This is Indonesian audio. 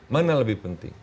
mana yang lebih penting